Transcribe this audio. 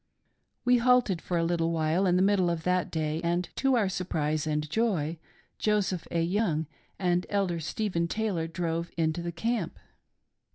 "We halted for a little while in the middle of that day, and to our surprise and joy, Joseph A. Young and Elder Stephen Taylor drove into the camp.